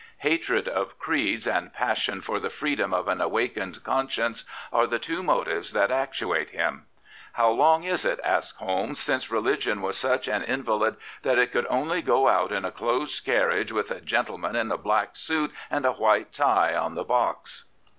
Hatred of creeds and passion for the freedom of an awakened conscience are the two motives that actuate him. How long is it/' asks Holmes, '* since religion was such an invalid that it could only go out in a closed carriage with a gentleman in a black suit and a white tie on the box?